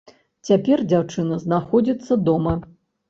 Цяпер дзяўчына знаходзіцца дома.